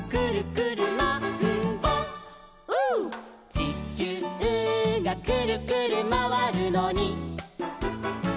「ちきゅうがくるくるまわるのに」